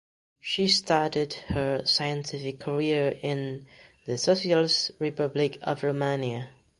She started her scientific career in the Socialist Republic of Romania.